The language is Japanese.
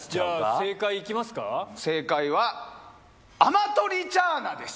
正解はアマトリチャーナです。